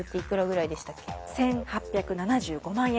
１，８７５万円。